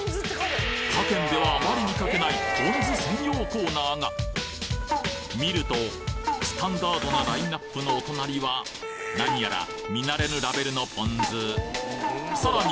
他県ではあまり見かけないポン酢専用コーナーが見るとスタンダードなラインナップのお隣は何やら見慣れぬラベルのポン酢さらに